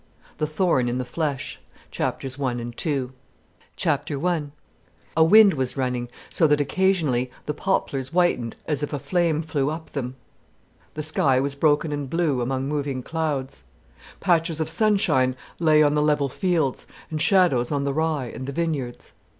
The Thorn in the Flesh I A wind was running, so that occasionally the poplars whitened as if a flame flew up them. The sky was broken and blue among moving clouds. Patches of sunshine lay on the level fields, and shadows on the rye and the vineyards.